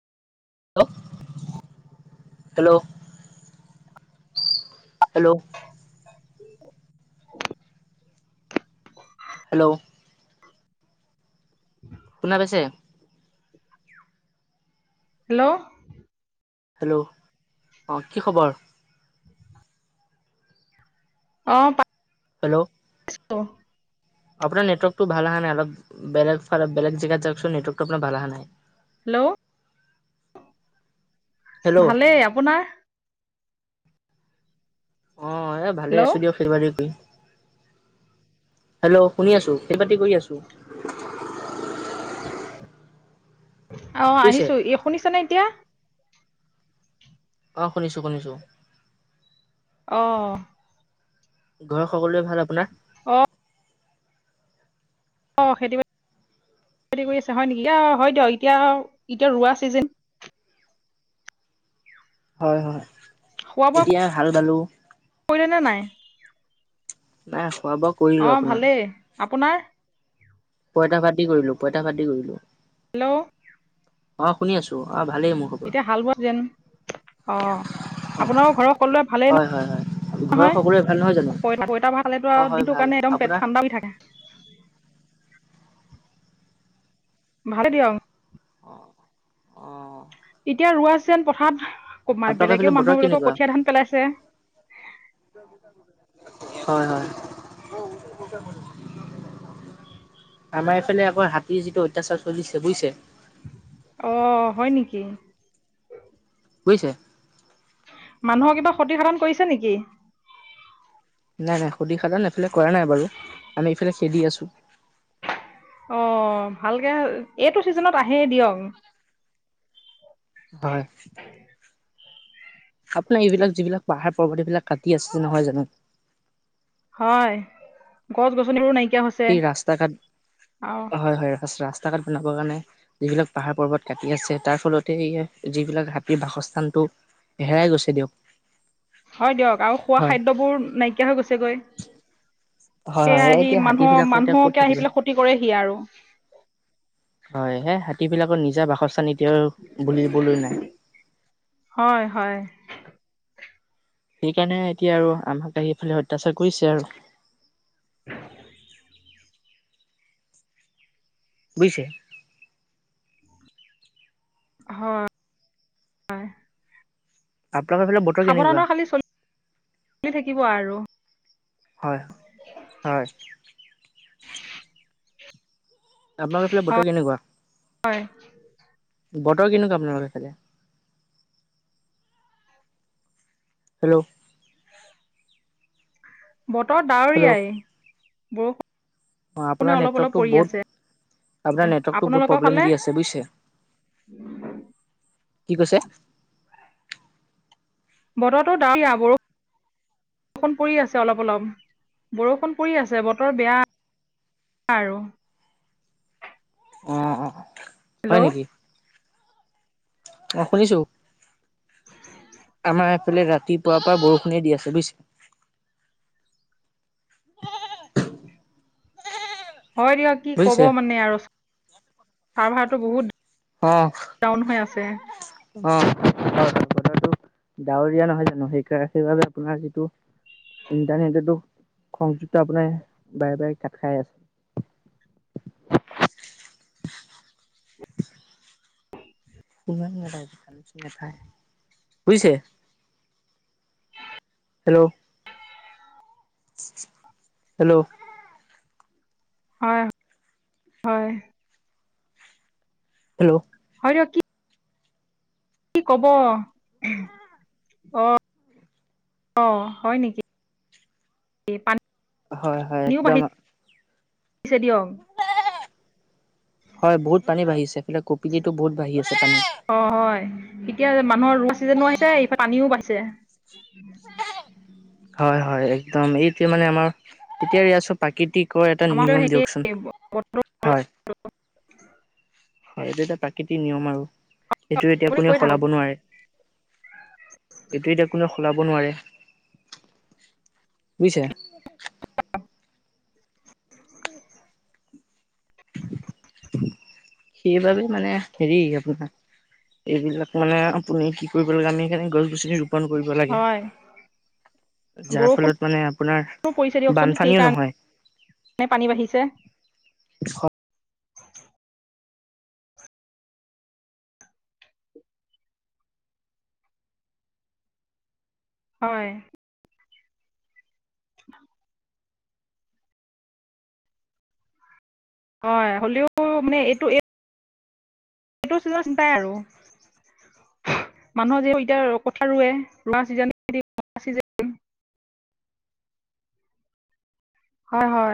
Hello hello hello শুনা পাইছে? Hello hello, অ কি খবৰ? অ পাই হেল্ল' [unintelligible] আপোনাৰ নেটৱৰ্কটো ভাল অহা নাই। অলপ বেলেগ ফালে বেলেগ জেগাত যাওঁক চোন। নেটৱৰ্কটো আপোনাৰ ভাল অহা নাই। হেল্ল' হেল্ল' ভালেই। আপোনাৰ? অ এ ভালেই হেল্ল' আছো দিয়ক খেতি বাতি কই। হেল্ল' শুনি আছো। খেতি বাতি কৰি আছোঁ। অ বুজিছে আহিছো। ই শুনিছ নে এতিয়া? অঁ শুনিছোঁ শুনিছোঁ। অঁ। ঘৰত সকলোৰে ভাল আপোনাৰ? অঁ খেতি-বাতি খেতি কৰি আছা, হয় নেকি? ইয় হয় দিয়ক এতিয়া আউ এতিয়া ৰোৱা চিজন হয়, হয়। খোৱা বোৱা এতিয়া হাল বালো কৰিলেনে নাই নাই খোৱা বোৱা অ কৰিলো আপোনাৰ। ভালেই আপোনাৰ? পইতা ভাত দি কৰিলো, পইতা ভাত দি কৰিলো। হেল্ল' অ শুনি আছো। অঁ ভালেই মোৰ খবৰ এতিয়া হাল বোৱা যেন, অ। আপোনাৰো ঘৰৰ সকলোৰে অঁ ভালেই হয় হয় হয় নহ ঘৰৰ নহয়? সকলোৰে ভাল নহয় জানো পইতা পইতা খালেটো অঁ আউ হয় দিনটো ভাল কাৰণে একদম পেট আপোনাৰ ঠাণ্ডা হৈ থাকে। [unintelligible] ভালে দিয়ক। অঁ অঁ। এতিয়া ৰোৱা চিজেন পথাৰত। কৌব মা বা এইফালে বেলেগেও বতৰ মানুহবিলাকে কেনেকুৱা? কঠীয়া ধান পেলাইছে। হয় হয়। আমাৰ এইফালে আকৌ হাতীৰ যিটো অত্যাচাৰ চলিছে বুইছে। অঁ হয় নেকি। বুইছে। মানুহৰ কিবা ক্ষতিসাধন কৰিছে নেকি। নাই নাই ক্ষতিসাধন এইফালে কৰা নাই বাৰু আমি ইফালে খেদি আছো। অ ভালকে এইটো চিজনত আহে দিয়ক। হয়। আপোনাৰ এইবিলাক যিবিলাক পাহাৰ পৰ্বত এইবিলাক কাটি আছে নহয় জানো। হয় গছ গছনিবোৰো নাইকি। এই ৰাস্তা ঘাট হয় হয় ৰাস ৰাস্তা। তাকাত বনাবৰ কাৰণে যিবিলাক পাহাৰ পৰ্বত কাটি আছে তাৰ ফলতে এইয়ে যিবিলাক হাতীৰ বাসস্থানটো। হেৰাই গৈছে দিয়ক। হয় দিয়ক আৰু খোৱা হয় খাদ্যবোৰ নাইকিয়া হৈ গৈছেগৈ। হয় সেইয়া হয় আহি এতিয়া মানুহ হাতীবিলাকৰ এতিয়া ক'ত মানুহকে থাকিব আহি পেলাই ক্ষতি কৰেহি আৰু। হয় সেই হাতী বিলাকৰ নিজা বাসস্থানে বুলিবলৈ নাই। হয় হয় সেইকাৰণে এতিয়া আৰু আমাক আহি ইফালে অত্যাচাৰ কৰিছে আৰু। [inaudible] বুজিছে। হয়, হয়। আপোনালোকৰ ফালে বতৰ কেনেকুৱা? সাৱধানত খালি চলি চলি থাকিব আৰু। হয়, হয়। [inaudible] আপোনালোকৰ বতৰ কেনেকুৱা? হয়। বতৰ কেনেকোৱা আপোনালোকৰ ফালে? হেল্ল' বতৰ ডাৱৰীয়াই বৰষুণ। অ'আপোনাৰ নেটৱৰ্কটো বহুত আপোনাৰ নেটৱৰ্কটো বহুত আপোনালোকৰ প্ৰব্লেম ফালে দি আছে বুইছে। কি কৈছে? বতৰতো ডাৱৰীয়া বৰষুণ। বৰষুণ পৰি আছে অলপ অলপ বৰষুণ পৰি আছে বতৰ বেয়া। আৰু। অঁ অঁ হয় হেল্ল' নেকি। অ'শুনিছো, আমাৰ ফালে ৰাতিপুৱাৰ পৰা বৰষুণে দি আছে বুজিছে। [unintelligible] হয় দিয়ক কি ক'ব বুজিছে মানে আৰু চাৰ্ভাৰটো বহুত। অ ডাউন হৈ আছে। অ', বতৰটো ডাৱৰীয়া নহয় জানো সেইকাৰণে সেইবাবে আপোনাৰ যিটো ইণ্টাৰনেটতটো সংযুক্ত আপোনাৰ বাৰে বাৰে কাত খাই আছে। [inaudible] [inaudible] [unintelligible] বুজিছে। হেল্ল' হেল্ল' হয়, হয়। হেল্ল' [unintelligible] কি কব, অ'। অ' হয় নেকি। হয়, হয়, পানীও একদম। বাঢ়িছে [unintelligible] হয় বহুত পানী বাঢ়িছে কপিলিটো বহুত বাঢ়ি আছে পানী। অঁ হয় এতিয়া মানুহৰ ৰোৱা চিজনো আহিছে ইফালে পানীও বাঢ়িছে। হয়, হয়, একদম এইটোৱে মানে আমাৰ এতিয়া এয়া চব প্ৰাকৃতিক। কৰ এটা আমাৰো নিয়ম একেই দিয়কচোন হয়। হয় এইটো এটা প্ৰাকৃতিক নিয়ম আৰু। এইটো এতিয়া আপুনি কোনেও কৈ থাকক সলাব নোৱাৰে, এইটো এতিয়া কোনেও সলাব নোৱাৰে। বুজিছে। অ'। সেইবাবে মানে হেৰি আপোনাৰ। এইবিলাক মানে আপুনি কি কৰিব লাগে আমি সেইণে গছ গছনি ৰৰুপন কৰিব লাগে। হয় যাৰ বৰষুণো ফলত মানে আপোনাৰ বান পানীও নহয়। এনে পানী বাঢ়িছে। হয় উ হয় হ'লেও মানে এইটো এই, সেইটো চি চিন্তাই আৰু মানুহৰ যিহেতু এতিয়া কথা ৰুৱে মা জনি জন হয় হয়